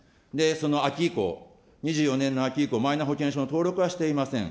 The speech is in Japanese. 秋以降、２４年の秋以降、マイナ保険証の登録はしていません。